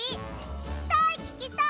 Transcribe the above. ききたいききたい！